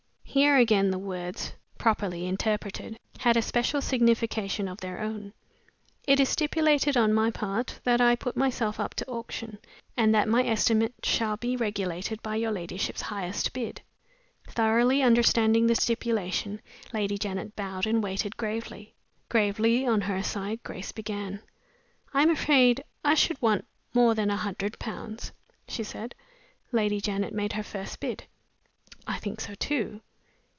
Here again the words, properly interpreted, had a special signification of their own: "It is stipulated, on my part, that I put myself up to auction, and that my estimate shall be regulated by your ladyship's highest bid." Thoroughly understanding the stipulation, Lady Janet bowed, and waited gravely. Gravely, on her side, Grace began. "I am afraid I should want more than a hundred pounds," she said. Lady Janet made her first bid. "I think so too."